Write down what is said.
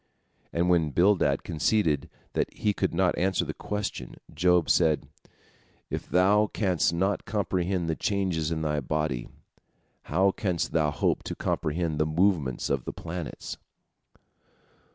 And when Bildad conceded that he could not answer the question, Job said, "If thou canst not comprehend the changes in thy body, how canst thou hope to comprehend the movements of the planets?"